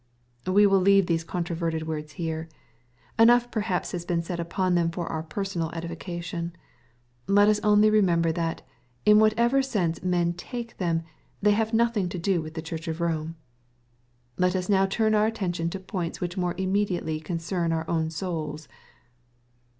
We will leave these controverted words here. Enough perhaps has been said upon them for our personal edifica tion. Let us only remember that, in whatever sense men take them, they have nothing to do with the Church of Borne. Let us now turn our attention to points which more immediately concern our own souls.